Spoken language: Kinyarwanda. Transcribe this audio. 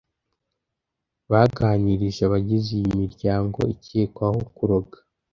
baganirije abagize iyi miryango ikekwamo kuroga